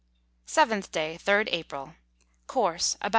7th day, 3rd April. Course, about N.